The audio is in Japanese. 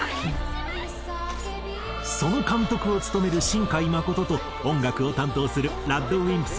その監督を務める新海誠と音楽を担当するＲＡＤＷＩＭＰＳ